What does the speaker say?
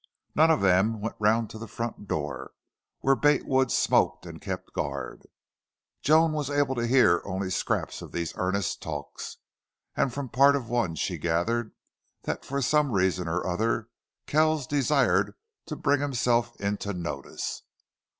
None of them went round to the front door, where Bate Wood smoked and kept guard. Joan was able to hear only scraps of these earnest talks; and from part of one she gathered that for some reason or other Kells desired to bring himself into notice.